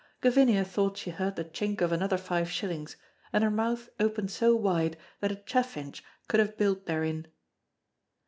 Gavinia thought she heard the chink of another five shillings, and her mouth opened so wide that a chaffinch could have built therein.